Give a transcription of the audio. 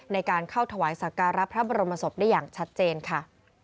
ในการเข้าถวายสักการะพระบรมศพได้อย่างชัดเจนค่ะ